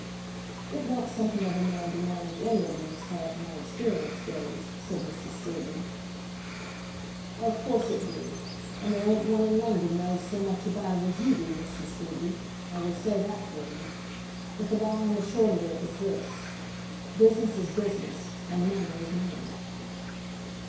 "It wants something of a man to manage any of them as far as my experience goes," said Mr. Scruby. "Of course it do; and there ain't one in London knows so much about it as you do, Mr. Scruby. I will say that for you. But the long and the short of it is this; business is business, and money is money."